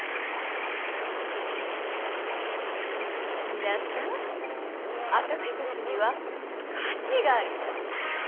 皆さん私たちには価値があります。